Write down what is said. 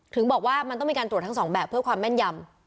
ถึงบอกว่ามันต้องมีการตรวจทั้งสองแบบเพื่อความแม่นยำ